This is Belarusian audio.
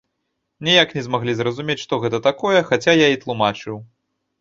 Ніяк не змаглі зразумець, што гэта такое, хаця я і тлумачыў.